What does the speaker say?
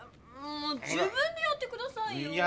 もう自分でやってくださいよ。